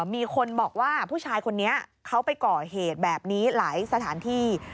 มีคนบอกว่าผู้ชายคนนี้เขาไปก่อเหตุแบบนี้หลายสถานที่